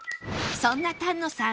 そんな丹野さん